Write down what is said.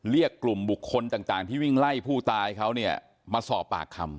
เรียกกลุ่มบุคคลต่างที่วิ่งไล่ผู้ตายเขาเนี่ยมาสอบปากคำ